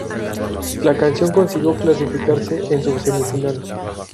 La canción consiguió clasificarse en su semifinal.